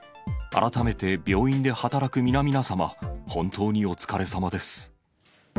改めて病院で働く皆々様、本当にお疲れさまです。